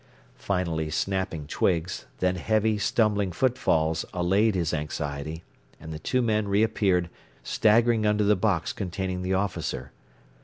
Finally snapping twigs, then heavy, stumbling footfalls allayed his anxiety, and the two men reappeared, staggering under the box containing the officer.